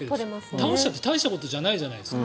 倒したって大したことじゃないじゃないですか。